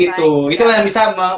karena zoom tidak menyebabkan perang